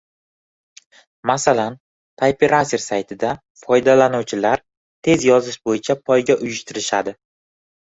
Masalan, typeracer saytida foydalanuvchilar tez yozish bo’yicha poyga uyushtirishadi